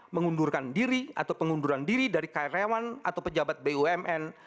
mengundurkan diri atau pengunduran diri dari karyawan atau pejabat bumn